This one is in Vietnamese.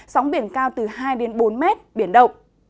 sóng biển cao từ hai bốn m biển động